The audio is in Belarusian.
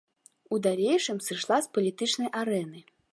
У далейшым сышла з палітычнай арэны.